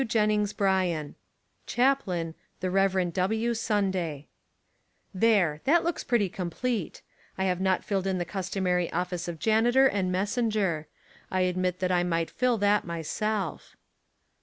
Jennings Bryan Chaplain The Rev. W. Sunday There ! That looks pretty complete. I have not filled in the customary office of janitor and 182 The Lot of the Schoolmaster messenger. I admit that I might fill that my self.